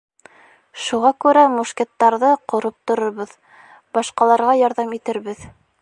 Шуға күрә мушкеттарҙы ҡороп торорбоҙ, башҡаларға ярҙам итербеҙ.